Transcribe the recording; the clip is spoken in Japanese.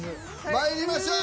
まいりましょう！